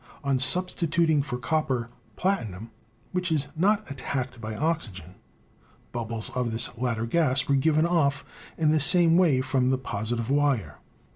On substituting for copper, platinum, which is not attacked by oxygen, bubbles of this latter gas were given off in the same way from the positive wire.